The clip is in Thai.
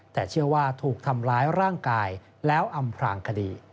แต่เชื่อว่าถูกทำร้ายร่างกายแล้วอำพลางคดี